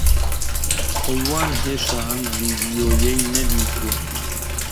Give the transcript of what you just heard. کەیوان ھێشتا ئەم ڤیدیۆیەی نەدیتووە.